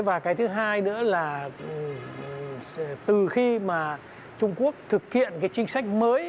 và cái thứ hai nữa là từ khi mà trung quốc thực hiện cái chính sách mới